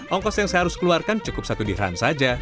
ongkos yang saya harus keluarkan cukup satu dirhan saja